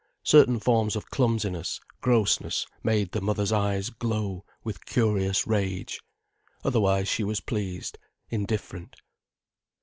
Certain forms of clumsiness, grossness, made the mother's eyes glow with curious rage. Otherwise she was pleased, indifferent.